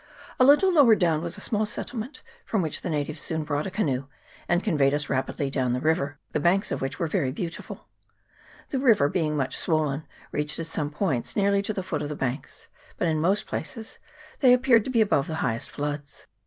A little lower down was a small settlement, from which CHAP. XXVIII.] THE PIAKO. 415 the natives soon brought a canoe,^ and conveyed us rapidly down the river, the banks of which were very beautiful. The river, being much swollen, reached at some points nearly to the foot of the banks, but in most places they appeared to be above the highest floods.